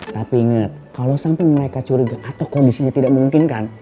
tapi inget kalo sampe mereka curiga atau kondisinya tidak mungkin kan